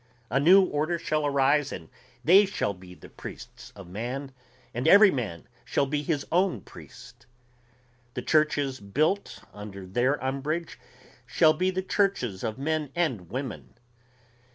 A new order shall arise and they shall be the priests of man, and every man shall be his own priest. The churches built under their umbrage shall be the churches of men and women.